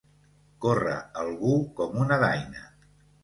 Córrer algú com una daina.